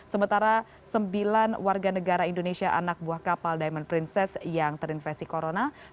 sementara sembilan warga negara indonesia anak buah kapal diamond princess yang terinfeksi corona